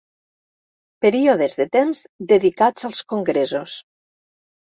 Períodes de temps dedicats als congressos.